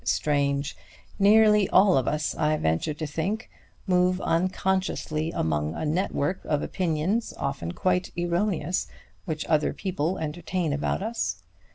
Strange! Nearly all of us, I venture to think, move unconsciously among a network of opinions, often quite erroneous, which other people entertain about us.